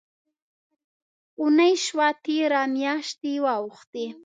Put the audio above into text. اوونۍ شوه تېره، میاشتي واوښتې